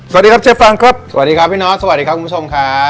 สวัสดีครับเจฟางครับสวัสดีครับพี่นอทสวัสดีครับคุณผู้ชมครับ